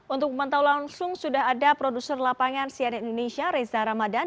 untuk memantau langsung sudah ada produser lapangan sian indonesia reza ramadan